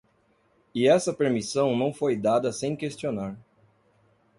E essa permissão não foi dada sem questionar.